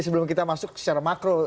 sebelum kita masuk secara makro